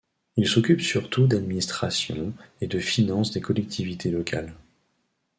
Il s'occupe surtout d'administration et de finances des collectivités locales.